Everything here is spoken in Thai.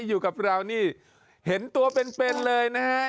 อยู่กับเรานี่เห็นตัวเป็นเป็นเลยนะฮะ